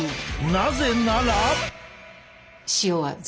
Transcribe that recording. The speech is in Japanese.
なぜなら。